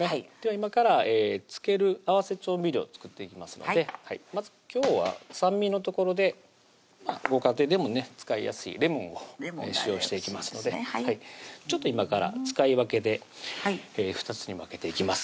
今から漬ける合わせ調味料作っていきますのでまず今日は酸味のところでご家庭でも使いやすいレモンを使用していきますのでちょっと今から使い分けで２つに分けていきます